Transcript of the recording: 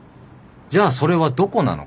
じゃあそれはどこなのか？